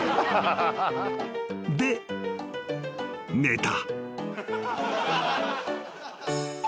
［で寝た］